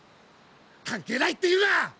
関係ないって言うな！